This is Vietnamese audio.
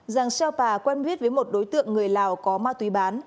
giàng xeo pà quen biết với một đối tượng người lào có ma túy bán